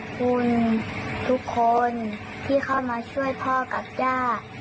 ขอขอบคุณทุกคนที่เข้ามาช่วยพ่อกับย่า